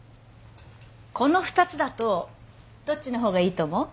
この２つだとどっちの方がいいと思う？